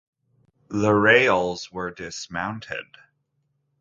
The rails were dismounted.